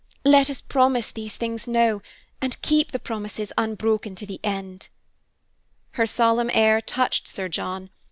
Let us promise these things now, and keep the promises unbroken to the end." Her solemn air touched Sir John.